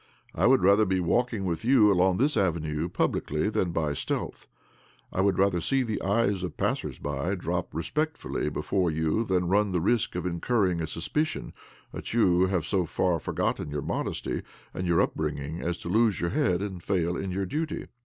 I would rather be walking with you along this avenue publicly\ than by stecilth—l would rather see the eyes of passers by drop respectfully, before you than run the risk of incurring a, suspicion that you have so far forgotten your modesty and your upbringing as to lose your head and fail in your duty."